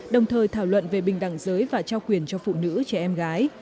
đồng thời thảo luận về bình đẳng giới và trao quyền cho phụ nữ trẻ em gái